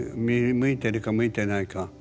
向いてるか向いてないか。